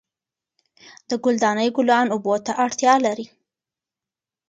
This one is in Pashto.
د ګل دانۍ ګلان اوبو ته اړتیا لري.